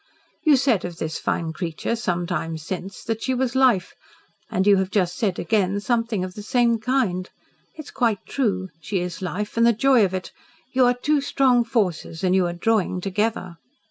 You said of this fine creature, some time since, that she was Life, and you have just said again something of the same kind. It is quite true. She is Life, and the joy of it. You are two strong forces, and you are drawing together."